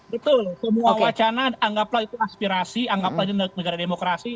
betul semua wacana anggaplah itu aspirasi anggaplahnya negara demokrasi